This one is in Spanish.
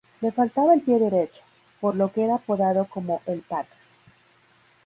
Le faltaba el pie derecho, por lo que era apodado como "El Patas".